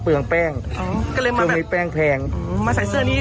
เปลืองแป้งอ๋อก็เลยมาแบบแป้งแพงอืมมาใส่เสื้อนี้